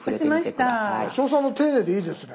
八代さんの丁寧でいいですね。